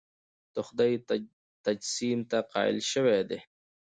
د خدای تجسیم ته قایل شوي دي.